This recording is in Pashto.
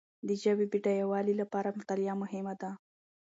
د ژبي بډایوالي لپاره مطالعه مهمه ده.